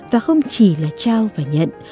và không chỉ là trao và nhận